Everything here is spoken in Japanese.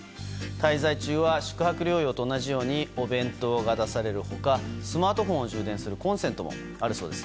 滞在中は宿泊療養と同じようにお弁当が出される他スマートフォンを充電するコンセントもあるそうです。